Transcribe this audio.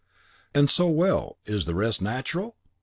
And so well, is the rest natural?